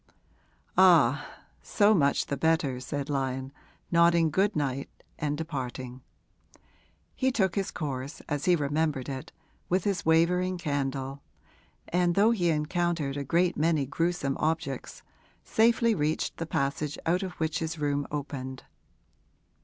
'Ah, so much the better,' said Lyon, nodding good night and departing. He took his course, as he remembered it, with his wavering candle, and, though he encountered a great many gruesome objects, safely reached the passage out of which his room opened.